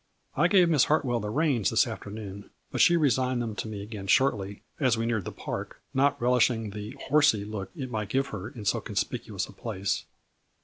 I gave Miss Hartwell the reins this afternoon, but she resigned them to me again shortly, as we neared the park, not relishing the ' horsey * look it might give her, in so conspicuous a place.